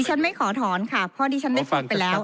ฉันไม่ขอถอนค่ะเพราะดิฉันได้ฟังไปแล้ว